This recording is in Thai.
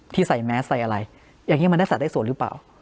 ที่ใส่แมสใส่อะไรอย่างนี้มันได้สัดได้ส่วนหรือเปล่า